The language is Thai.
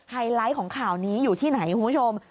ไฮไลท์ของข่าวนี้อยู่ที่ไหนคุณผู้ชม